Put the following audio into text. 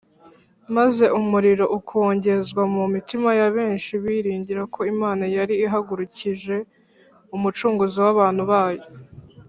maze umuriro ukongezwa mu mitima ya benshi biringira ko Imana yari ihagurukije Umucunguzi w’abantu bayo